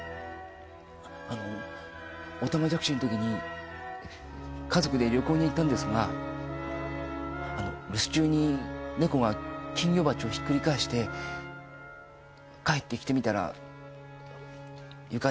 あのオタマジャクシのときに家族で旅行に行ったんですがあの留守中に猫が金魚鉢をひっくり返して帰ってきてみたら床に干からびたオタマジャクシが点々と。